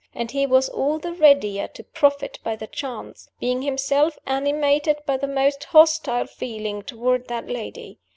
And he was all the readier to profit by the chance, being himself animated by the most hostile feeling toward that lady.